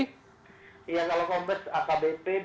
kalau kombes akbp bisa jadi anjak pasti